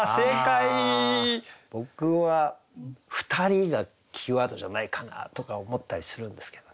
僕は「ふたり」がキーワードじゃないかなとか思ったりするんですけどね。